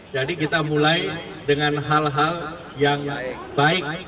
jadi kita mulai dengan hal hal yang baik